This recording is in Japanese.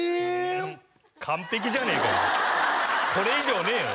完璧じゃねえかこれ以上ねえよ